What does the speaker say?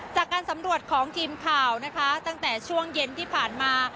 จากการสำรวจของทีมข่าวนะคะตั้งแต่ช่วงเย็นที่ผ่านมา